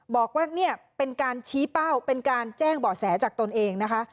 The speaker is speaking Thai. บอกว่าเนี่ยเป็นการชี้เป้าเป็นการแจ้งเบาะแสจากตนเองนะคะ